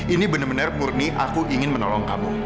ini bener bener murni aku ingin menolong kamu